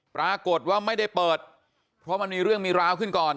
ปรากฏว่าไม่ได้เปิดเพราะมันมีเรื่องมีราวขึ้นก่อน